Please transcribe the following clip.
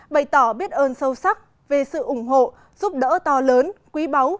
bày tỏ biết ơn sâu sắc về sự ủng hộ giúp đỡ to lớn quý báu